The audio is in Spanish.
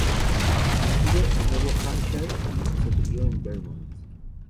Nacido en Nuevo Hampshire y se crio en Vermont.